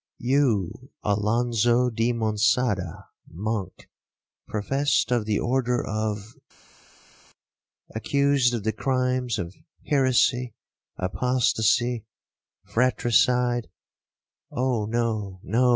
—'You, Alonzo di Monçada, monk, professed of the order of ———, accused of the crimes of heresy, apostacy, fratricide, ('Oh no,—no!'